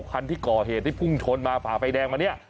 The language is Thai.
คันที่ก่อเหตุที่พุ่งชนมาฝ่าไฟแดงมาเนี่ย